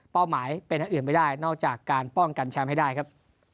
หมายเป็นอย่างอื่นไม่ได้นอกจากการป้องกันแชมป์ให้ได้ครับ